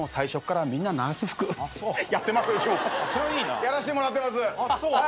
やらしてもらってます。